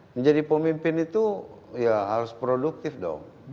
menjadi pemimpin itu ya harus produktif dong